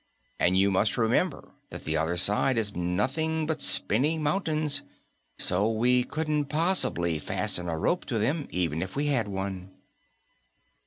"And you must remember that the other side is nothing but spinning mountains, so we couldn't possibly fasten a rope to them, even if we had one."